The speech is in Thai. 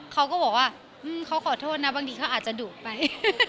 เขาก็บอกว่าเขาขอโทษนะบางทีเขาอาจจะดุไป